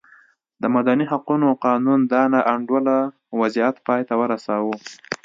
د مدني حقونو قانون دا نا انډوله وضعیت پای ته ورساوه.